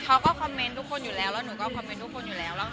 เเค่าคอมเม้นต์ทุกคนอยู่แล้วนี่คอมเม้นต์ทุกคนอยู่แล้ว